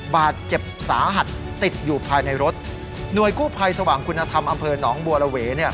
บาดเจ็บสาหัสติดอยู่ภายในรถหน่วยกู้ภัยสว่างคุณธรรมอำเภอหนองบัวระเว